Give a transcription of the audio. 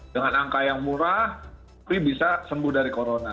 dengan angka yang murah tapi bisa sembuh dari corona